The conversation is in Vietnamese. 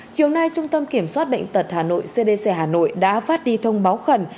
chiều nay trung tâm kiểm soát bệnh tật hà nội cdc hà nội đã phát đi thông báo khẩn